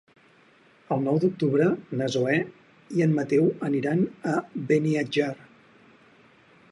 El nou d'octubre na Zoè i en Mateu aniran a Beniatjar.